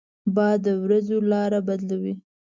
باد د ورېځو لاره بدلوي